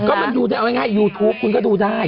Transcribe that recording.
ก็มันดูได้เอาง่ายยูทูปคุณก็ดูได้